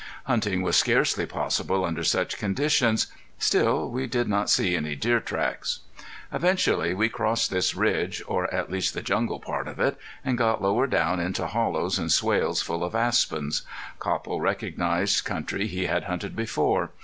Hunting was scarcely possible under such conditions. Still we did not see any deer tracks. Eventually we crossed this ridge, or at least the jungle part of it, and got lower down into hollows and swales full of aspens. Copple recognized country he had hunted before.